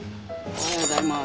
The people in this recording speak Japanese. おはようございます。